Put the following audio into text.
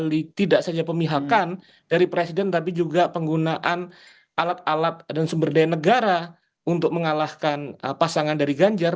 ini tidak saja pemihakan dari presiden tapi juga penggunaan alat alat dan sumber daya negara untuk mengalahkan pasangan dari ganjar